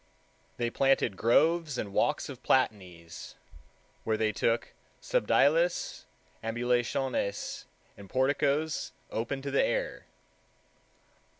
"They planted groves and walks of Platanes," where they took subdiales ambulationes in porticos open to the air.